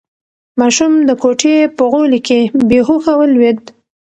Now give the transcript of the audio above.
ماشوم د کوټې په غولي کې بې هوښه ولوېد.